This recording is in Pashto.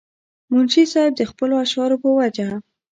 منشي صېب د خپلو اشعارو پۀ وجه